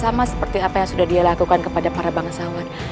sama seperti apa yang sudah dilakukan kepada para bangsawan